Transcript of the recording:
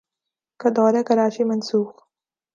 کا دورہ کراچی منسوخ